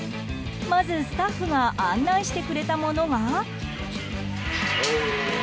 まず、スタッフが案内してくれたものは。